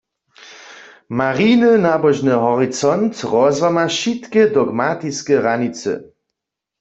Mariny nabožny horicont rozłama wšitke dogmatiske hranicy.